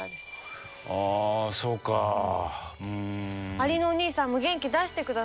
アリのお兄さんも元気出してください。